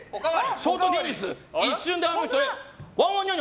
ショート忍術一瞬であの人に。